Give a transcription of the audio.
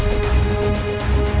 saya akan keluar